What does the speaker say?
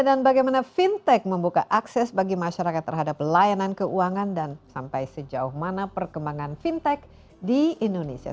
dan bagaimana fintech membuka akses bagi masyarakat terhadap pelayanan keuangan dan sampai sejauh mana perkembangan fintech di indonesia